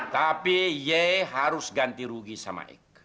tapi ye harus ganti rugi sama eke